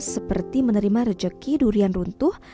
seperti menerima rejeki durian runtuh